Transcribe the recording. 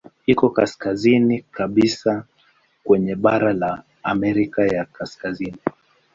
Iko kaskazini kabisa kwenye bara la Amerika ya Kaskazini.